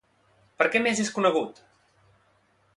Per què més és conegut?